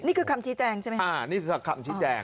นี่คือคำชี้แจงใช่ไหมคะอ่านี่คือคำชี้แจง